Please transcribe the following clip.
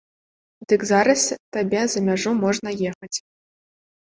Дык зараз табе за мяжу можна ехаць!